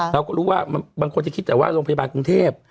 เราก็รู้ว่าบางคนจะคิดแต่ว่าโรงพยาบาลกรุงเทพ